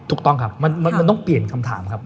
ถูกต้องครับมันต้องเปลี่ยนคำถามครับ